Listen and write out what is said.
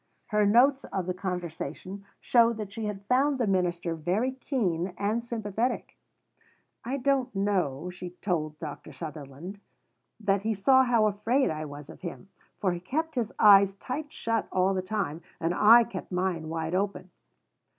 Her notes of the conversation show that she had found the minister very keen and sympathetic. "I don't know," she told Dr. Sutherland, "that he saw how afraid I was of him. For he kept his eyes tight shut all the time. And I kept mine wide open."